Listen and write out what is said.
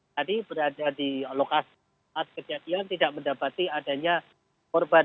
tadi berada di lokasi saat kejadian tidak mendapati adanya korban